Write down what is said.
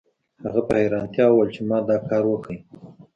هغه په حیرانتیا وویل چې ما دا کار وکړ